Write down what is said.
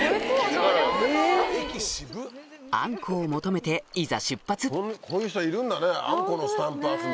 あんこを求めていざ